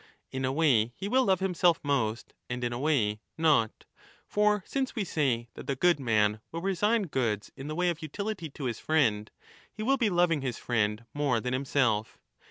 In a way he will love himself most and in a way not. For since we say ^ that the good man will resign goods in the 10 way of utility to his friend, he will be loving his friend more than himself.